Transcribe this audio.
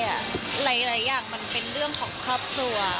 หลายอย่างมันเป็นเรื่องของครอบครัว